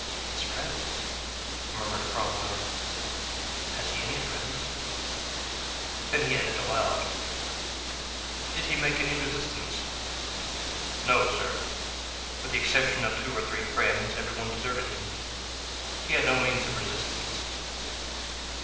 "His friends!" murmured Cromwell. "Has he any friends?" Then he added aloud, "Did he make any resistance?" "No, sir, with the exception of two or three friends every one deserted him; he had no means of resistance."